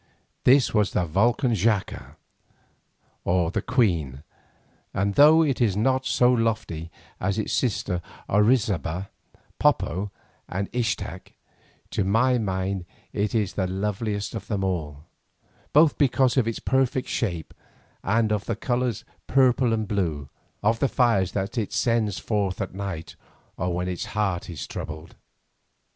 This was the volcan Xaca, or the Queen, and though it is not so lofty as its sisters Orizaba, Popo, and Ixtac, to my mind it is the loveliest of them all, both because of its perfect shape, and of the colours, purple and blue, of the fires that it sends forth at night or when its heart is troubled.